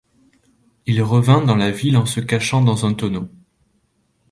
Il revint dans la ville en se cachant dans un tonneau.